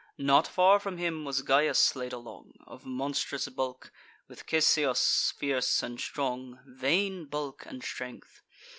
Not far from him was Gyas laid along, Of monstrous bulk; with Cisseus fierce and strong: Vain bulk and strength!